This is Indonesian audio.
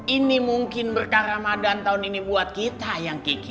ini mungkin berkah ramadhan tahun ini buat kita yang ki ki